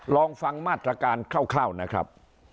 ลองฟังมาตรการคร่าวนะครับ